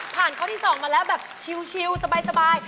ข้อที่๒มาแล้วแบบชิลสบาย